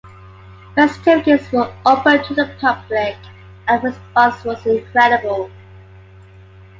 Festivities were open to the public and the response was incredible.